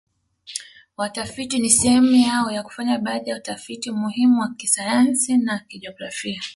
watafiti ni sehemu yao ya kufanya baadhi ya tafiti muhimu wa kisayansi na kijografia